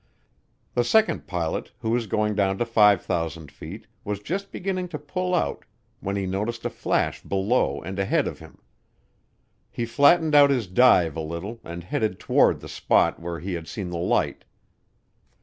The second pilot, who was going down to 5,000 feet, was just beginning to pull out when he noticed a flash below and ahead of him. He flattened out his dive a little and headed toward the spot where he had seen the light.